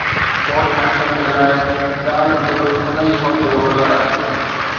Court martial law جي ڳالهه به ان ئي سوچ جو مظهر آهي.